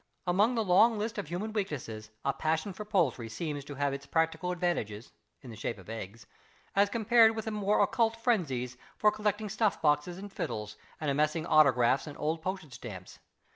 Among the long list of human weaknesses, a passion for poultry seems to have its practical advantages (in the shape of eggs) as compared with the more occult frenzies for collecting snuff boxes and fiddles, and amassing autographs and old postage stamps.